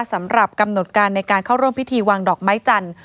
สำหรับกำหนดการในการเข้าร่วมพิธีวางดอกไม้จันทร์